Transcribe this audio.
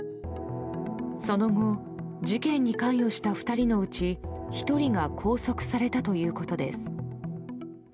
その後、事件に関与した２人のうち１人が拘束されたということです。